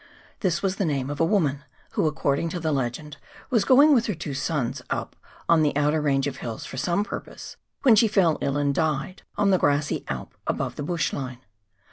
This was the name of a woman, who, according to the legend, was going with her two sons up on the outer range of hills for some purpose, when she fell ill and died on the grassy alp above the bush line.